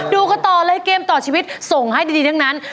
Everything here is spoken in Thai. ดูกันต่อเลยเกมต่อชีวิตส่งให้ดีทั้งนั้น